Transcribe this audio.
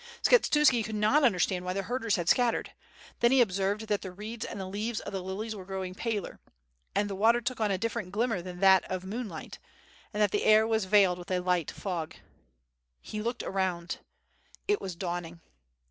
Skshetuski could not understand why the herders had scattered. Then he observed that the reeds and the leaves of the lilies were growing paler, and the water took on a different glimmer than that of moonlight, and that the air was veiled with a light fog. He looked around: it was dawning.